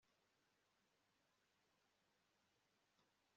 ikamba rya miss world yari yitabiriye